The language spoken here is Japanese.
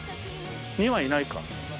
２羽いないか。